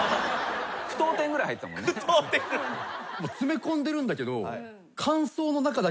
詰め込んでるんだけど。